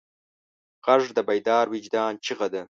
غږ د بیدار وجدان چیغه ده